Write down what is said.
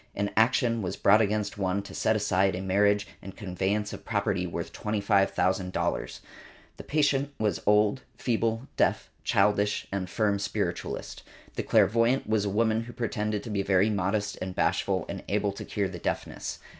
An action was brought against one to set aside a marriage and a conveyance of property worth $25,000. The patient was old, feeble, deaf, childish and a firm spiritualist. The clairvoyant was a woman who pretended to be very modest and bashful and able to cure the deafness.